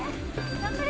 頑張れ！